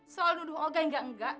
selalu nuduh olga enggak enggak